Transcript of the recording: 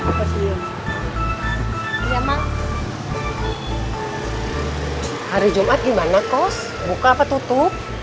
hari jumat gimana kos buka apa tutup